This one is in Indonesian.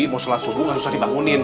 mau sholat subuh gak susah dibangunin